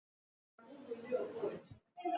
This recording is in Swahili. Magonjwa ya maambukizi na uvamizi ya ngozi kwa jumla